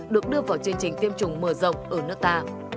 được đưa vào chương trình tiêm chủng mở rộng ở nước ta